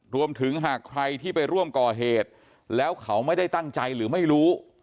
หากใครที่ไปร่วมก่อเหตุแล้วเขาไม่ได้ตั้งใจหรือไม่รู้